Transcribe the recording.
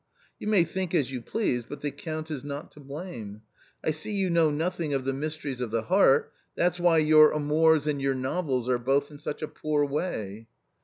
You may think as you please, but the Count is not to blame ! I see you know nothing of the mysteries of the heart, that's why your amours and your novels are both in such a poor way."